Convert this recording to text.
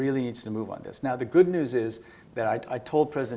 dan berkembang di masa depan